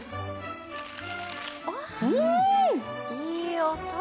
いい音！